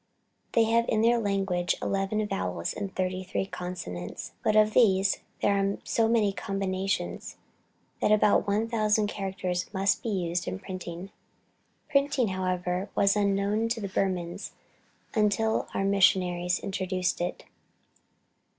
They have in their language eleven vowels and thirty three consonants, but of these there are so many combinations, that about one thousand characters must be used in printing. Printing, however, was unknown to the Burmans until our missionaries introduced it.